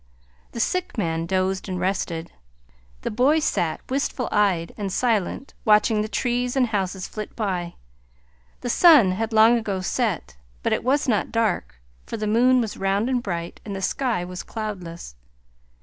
The sick man dozed and rested. The boy sat, wistful eyed and silent, watching the trees and houses flit by. The sun had long ago set, but it was not dark, for the moon was round and bright, and the sky was cloudless.